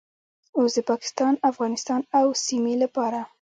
اوس د پاکستان، افغانستان او سیمې لپاره